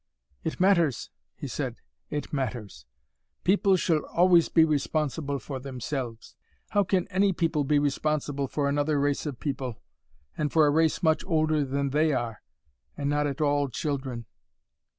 "It matters," he said; "it matters. People should always be responsible for themselves. How can any people be responsible for another race of people, and for a race much older than they are, and not at all children."